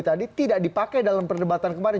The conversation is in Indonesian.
tadi tidak dipakai dalam perdebatan kemarin